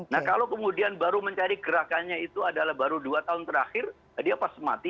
nah kalau kemudian baru mencari gerakannya itu adalah baru dua tahun terakhir dia pas mati